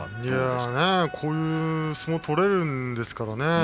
いやあ、こういう相撲が取れるんですからね。